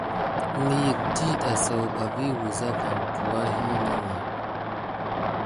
Nəyəka ɗiɗa zaouɓa vi wulza vane tuwaki nawà.